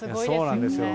そうなんですよ。